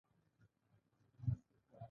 کنټرول یې اسانه و او لوی نفوس یې پیدا کړ.